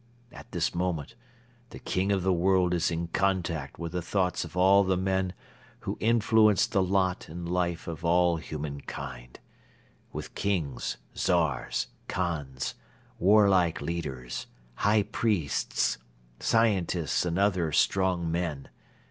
At this moment the King of the World is in contact with the thoughts of all the men who influence the lot and life of all humankind: with Kings, Czars, Khans, warlike leaders, High Priests, scientists and other strong men.